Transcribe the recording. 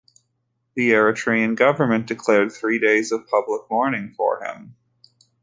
The Eritrean government declared three days of public mourning for him.